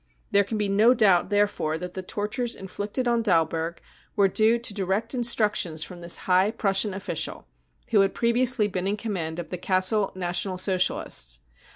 There can be no doubt therefore that the tortures inflicted on Dalberg were due to direct instructions from this high Prussian official, who had previously been in command of the Gassel National Socialists.